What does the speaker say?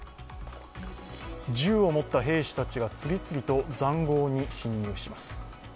銃を持った兵士たちが次々とざんごうに進入します。